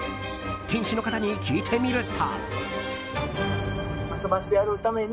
店主の方に聞いてみると。